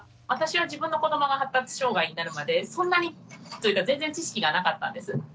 私は自分の子どもが発達障害になるまでそんなにというか全然知識がなかったんです。